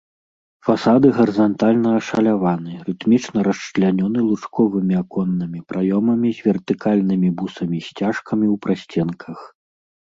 Фасады гарызантальна ашаляваны, рытмічна расчлянёны лучковымі аконнымі праёмамі з вертыкальнымі бусамі-сцяжкамі ў прасценках.